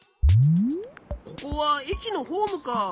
ここはえきのホームか。